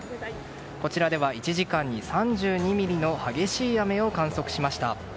こちらでは１時間に３２ミリの激しい雨を観測しました。